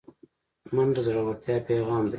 منډه د زړورتیا پیغام دی